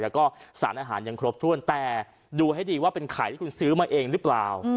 แล้วก็สารอาหารยังครบถ้วนแต่ดูให้ดีว่าเป็นไข่ที่คุณซื้อมาเองหรือเปล่า